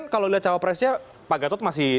kalau lihat cawapresnya pak gatot masih